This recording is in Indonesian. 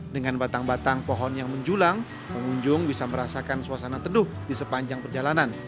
dengan batang batang pohon yang menjulang pengunjung bisa merasakan suasana teduh di sepanjang perjalanan